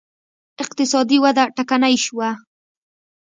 اقتصادي وده ټکنۍ شوه